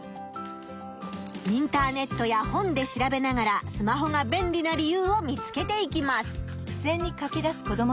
インターネットや本で調べながらスマホが便利な理由を見つけていきます。